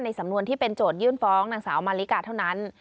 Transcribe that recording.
สำนวนที่เป็นโจทยื่นฟ้องนางสาวมาริกาเท่านั้น